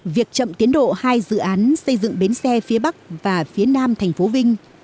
việc chậm tiến độ hai dự án xây dựng bến xe phía bắc và phía nam thành phố vinh